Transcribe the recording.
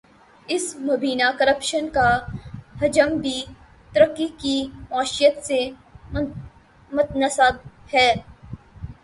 اس مبینہ کرپشن کا حجم بھی ترکی کی معیشت سے متناسب ہے۔